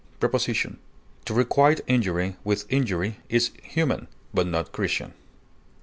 Preposition: To requite injury with injury is human, but not Christian.